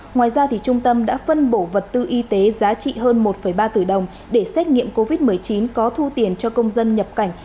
ngoài ra trung tâm đã phân bổ vật tư y tế giá trị hơn một ba tỷ đồng để xét nghiệm covid một mươi chín có thu tiền cho công dân nhập cảnh